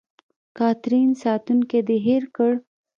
کاترین: ساتونکی دې هېر کړ.